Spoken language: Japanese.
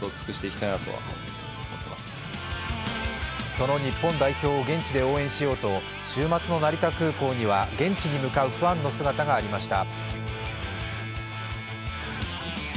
その日本代表を現地で応援しようと週末の成田空港には現地に向かうファンの姿がありました。